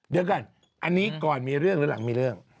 เดี๋ยวก่อนอันนี้ก่อนมีเรื่องหรือหลังมีเรื่อง